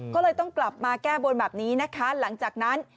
ก็เลยต้องกลับมาแก้บนแบบนี้นะคะหลังจากนั้น